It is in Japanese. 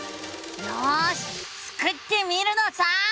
よしスクってみるのさ！